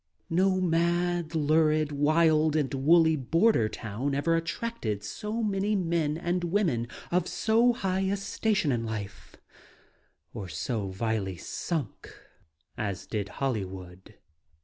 No mad, lurid, wild and woolly border town ever attracted so many men and women of so hierh a station in life or so vilely sunk as did Hollywood.